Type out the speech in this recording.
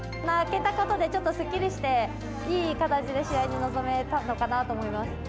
泣けたことでちょっとすっきりして、いい形で試合に臨めたのかなと思います。